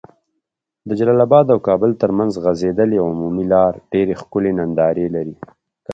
د جلال اباد او کابل تر منځ غځيدلي عمومي لار ډيري ښکلي ننداري لرې